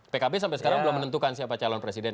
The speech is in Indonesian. pkb sampai sekarang belum menentukan siapa calon presiden